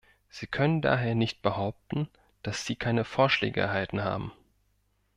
Sie können daher nicht behaupten, dass Sie keine Vorschläge erhalten haben.